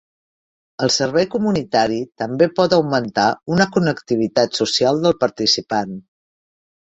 El servei comunitari també pot augmentar una connectivitat social del participant.